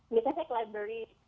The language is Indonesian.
biasanya saya ke library